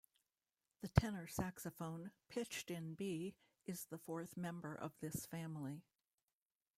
The tenor saxophone, pitched in B, is the fourth member of this family.